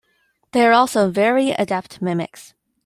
They are also very adept mimics.